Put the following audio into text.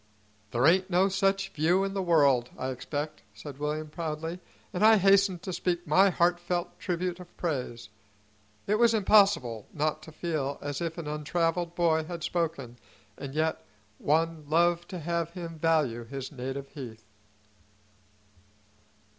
"There ain't no such view in the world, I expect," said William proudly, and I hastened to speak my heartfelt tribute of praise; it was impossible not to feel as if an untraveled boy had spoken, and yet one loved to have him value his native heath.